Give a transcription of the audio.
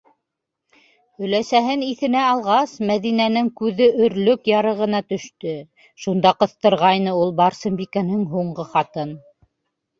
Өләсәһен иҫенә алғас, Мәҙинәнең күҙе өрлөк ярығына төштө: шунда ҡыҫтырғайны ул Барсынбикәнең һуңғы хатын.